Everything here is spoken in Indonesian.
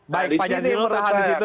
pak zazilul tahan disitu